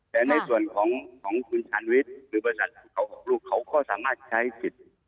แต่ในส่วนของคุณชาญวิทย์หรือบริษัทเขา๖ลูกเขาก็สามารถใช้สิทธิ์